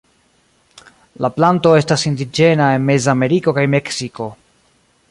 La planto estas indiĝena en Mezameriko kaj Meksiko.